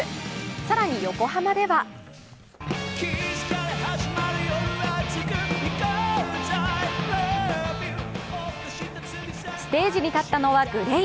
更に横浜ではステージに立ったのはＧＬＡＹ。